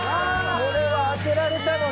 「これは開けられたのに！」